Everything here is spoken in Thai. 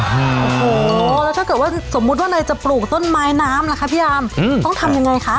โอ้โหแล้วถ้าเกิดว่าสมมุติว่านายจะปลูกต้นไม้น้ำล่ะคะพี่อามต้องทำยังไงคะ